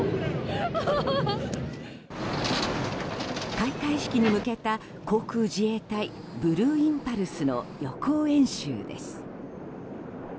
開会式に向けた航空自衛隊ブルーインパルスの予行演習です。